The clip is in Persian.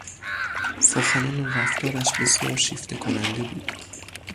سخنان و رفتارش بسیار شیفته کننده بود.